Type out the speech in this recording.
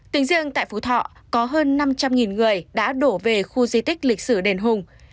tính riêng tại phú thọ có hơn năm trăm linh người đã đổ về khu di tích lịch sử đền hùng